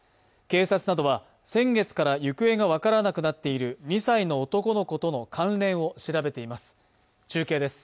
警察などは、先月から行方が分からなくなっている２歳の男の子との関連を調べています。